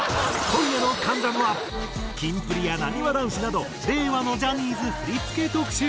今夜の『関ジャム』はキンプリやなにわ男子など令和のジャニーズ振付特集。